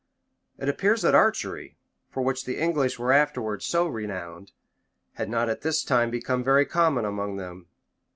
[] It appears that archery, for which the English were afterwards so renowned, had not at this time become very common among them.